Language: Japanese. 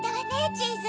チーズ。